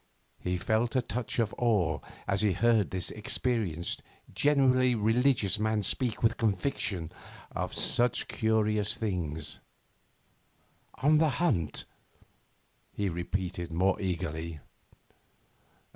He felt a touch of awe as he heard this experienced, genuinely religious man speak with conviction of such curious things. 'On the hunt?' he repeated more eagerly.